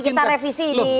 itu nanti kita revisi di